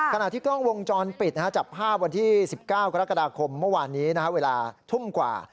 ขณะที่กล้องวงจรปิดจับภาพวันที่๑๙กรกฎาคมเมื่อวานนี้เวลาทุ่มกว่า